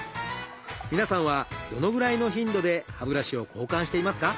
皆さんはどのぐらいの頻度で歯ブラシを交換していますか？